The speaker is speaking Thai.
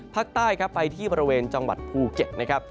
ภาคใต้ครับไปที่บริเวณจังหวัดภูเก็ตนะครับ